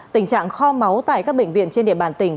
tình trạng kho máu tại các bệnh viện trên địa bàn tỉnh